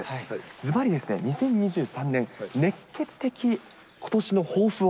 ずばりですね、２０２３年、熱ケツ的ことしの抱負を。